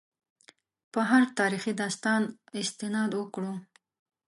په هر تاریخي داستان استناد وکړو.